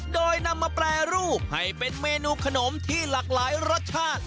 โดยนำมาแปรรูปให้เป็นเมนูขนมที่หลากหลายรสชาติ